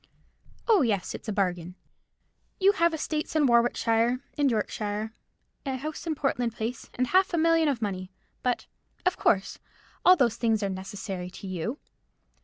"Oh, yes, it's a bargain. You have estates in Warwickshire and Yorkshire, a house in Portland Place, and half a million of money; but, of course, all those things are necessary to you.